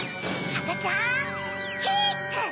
あかちゃんキック！